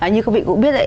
như các vị cũng biết đấy